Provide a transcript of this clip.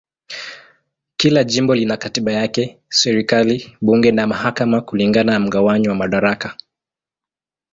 Kila jimbo lina katiba yake, serikali, bunge na mahakama kulingana na mgawanyo wa madaraka.